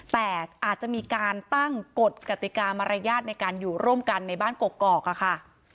แต่อาจจะมีการตั้งกฎกติกามารยาทในการอยู่ร่วมกันในบ้านกกอกค่ะ